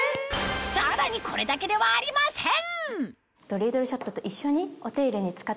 これだけではありません！